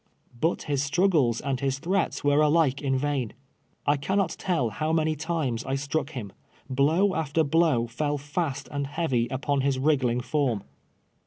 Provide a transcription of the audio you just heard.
But his struggles and his threats were alike in vain. I cannot tell how many times I struck him. Blow after blow fell fiist and heavy upon his wriggling form.